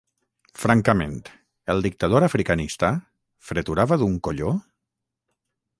Francament: el dictador africanista, freturava d'un colló?